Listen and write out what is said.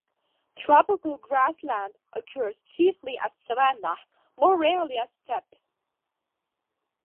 Tropical grassland occurs chiefly as savannah, more rarely as steppe.